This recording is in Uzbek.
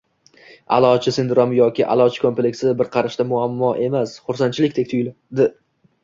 Aʼlochi sindromi yoki “aʼlochi kompleksi” bir qarashda muammo emas, xursandchilikdek tuyuladi.